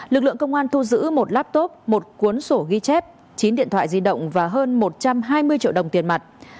lực lượng công an thu giữ một laptop một cuốn sổ ghi chép chín điện thoại di động và hơn một trăm hai mươi triệu đồng tiền mặt